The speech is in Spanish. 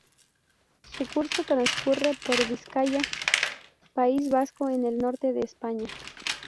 Su curso transcurre por Vizcaya, País Vasco, en el norte de España.